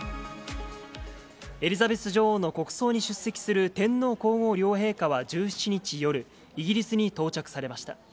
エリザベス女王の国葬に出席する天皇皇后両陛下は１７日夜、イギリスに到着されました。